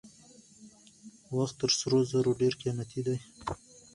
وخت تر سرو زرو ډېر قیمتي دی.